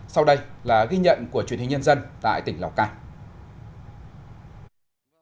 sau đây là ghi nhận của truyền hình nhân dân tại tỉnh lào cai